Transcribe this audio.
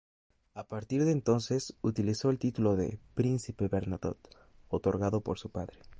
A partir de entonces, utilizó el título de "Príncipe Bernadotte", otorgado por su padre.